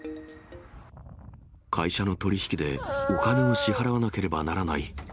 会社の取り引きでお金を支払わなければならない。